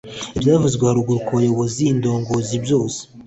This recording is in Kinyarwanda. ibyavuzwe haruguru ku bayoboziindongozi byose